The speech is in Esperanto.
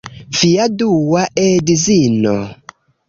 Via dua edzino